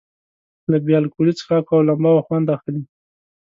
له بې الکولي څښاکونو او لمباوو خوند اخلي.